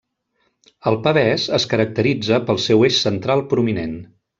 El pavès es caracteritza pel seu eix central prominent.